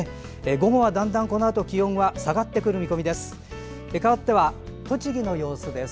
午後はだんだんこのあと気温は下がってくる見込みです。